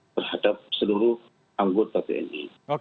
terhadap seluruh anggota tni